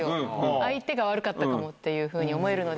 相手が悪かったかもっていうふうに思えるので。